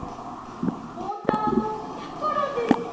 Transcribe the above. リポーターのやころです！